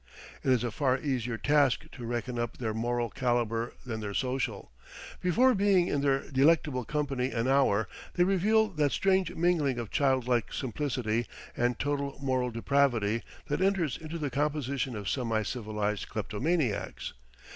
It is a far easier task to reckon up their moral calibre than their social. Before being in their delectable company an hour they reveal that strange mingling of childlike simplicity and total moral depravity that enters into the composition of semi civilized kleptomaniacs.